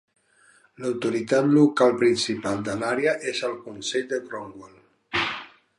L'autoritat local principal de l'àrea és el Consell de Cornwall.